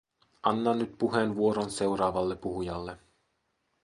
Annan nyt puheenvuoron seuraavalle puhujalle.